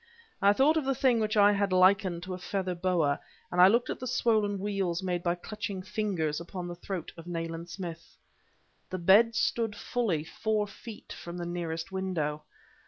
I thought of the thing which I had likened to a feather boa; and I looked at the swollen weals made by clutching fingers upon the throat of Nayland Smith. The bed stood fully four feet from the nearest window.